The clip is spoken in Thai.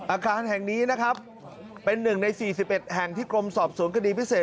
อาคารแห่งนี้นะครับเป็นหนึ่งใน๔๑แห่งที่กรมสอบสวนคดีพิเศษ